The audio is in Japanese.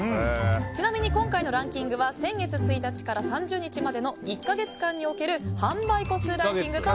ちなみに今回のランキングは先月１日から３０日までの１か月間における販売個数ランキングと